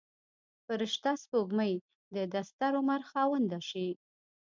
فرشته سپوږمۍ د دستر عمر خاونده شي.